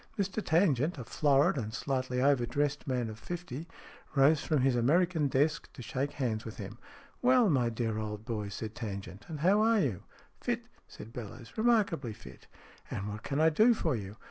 Mr Tangent, a florid and slightly overdressed man of fifty, rose from his American desk to shake hands with him. "Well, my dear old boy," said Tangent, "and how are you ?" 11 Fit," said Bellowes. " Remarkably fit." "And what can I do for you?